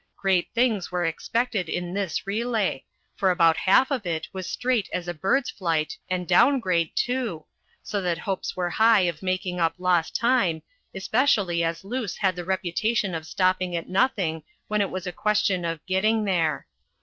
Great things were expected in this relay, for about half of it was straight as a bird's flight and down grade, too, so that hopes were high of making up lost time, especially as Luce had the reputation of stopping at nothing when it was a question of "getting there."